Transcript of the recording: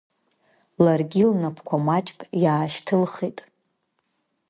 Ларгьы лнапқәа маҷк иаашьҭылхит.